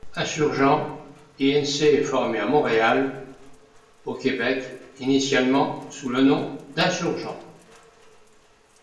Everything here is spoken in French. Insurgent Inc. est formé à Montréal, au Québec, initialement sous le nom d'Insurgent.